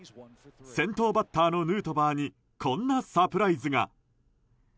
先頭バッターのヌートバーにこんなサプライズが。